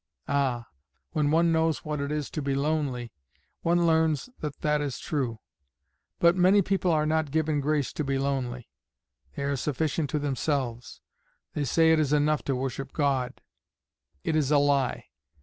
Ah, when one knows what it is to be lonely, one learns that that is true; but many people are not given grace to be lonely they are sufficient to themselves. They say it is enough to worship God; it is a lie.